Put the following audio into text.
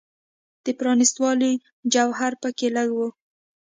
د پرانیستوالي جوهر په کې لږ و.